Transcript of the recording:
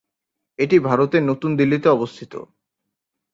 এটি ভারতের নতুন দিল্লিতে অবস্থিত।